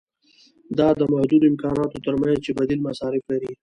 دا د محدودو امکاناتو ترمنځ چې بدیل مصارف لري.